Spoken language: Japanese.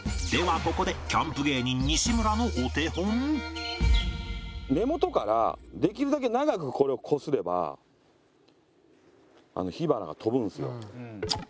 ここでキャンプ芸人西村のお手本根元からできるだけ長くこれをこすれば火花が飛ぶんですよ。